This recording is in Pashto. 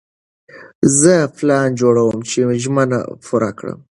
زه پلان جوړوم چې ژمنه پوره کړم.